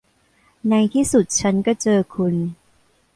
ในที่สุดฉันก็เจอคุณ